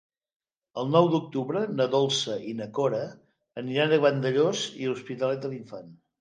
El nou d'octubre na Dolça i na Cora aniran a Vandellòs i l'Hospitalet de l'Infant.